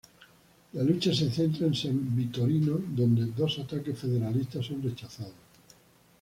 La lucha se centra en San Victorino, donde dos ataques federalistas son rechazados.